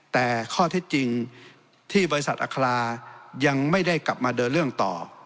แต่ข้อเท็จจริงที่บริษัทอัครายังไม่ได้กลับมาเดินเรื่องต่อ